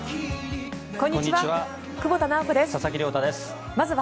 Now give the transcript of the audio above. こんにちは。